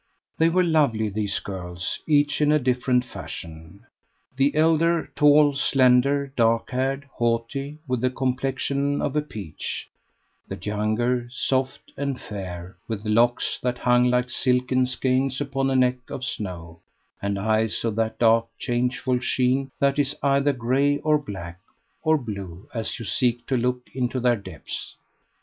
They were lovely these girls each in a different fashion. The elder, tall, slender, dark haired, haughty, with the complexion of a peach; the younger, soft and fair, with locks that hung like silken skeins upon a neck of snow, and eyes of that dark changeful sheen that is either gray, or black, or blue, as you seek to look into their depths.